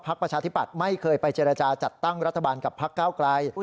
ภักดิ์ประชาธิปัตย์ไม่เคยไปเจรจาจัดตั้งรัฐบาลกับภักดิ์ก้าวกลาย